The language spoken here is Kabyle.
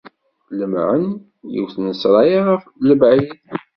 Lemmɛen yiwet n ssṛaya ɣer lebɛid.